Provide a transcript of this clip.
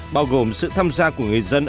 bao gồm sự tham gia của người dân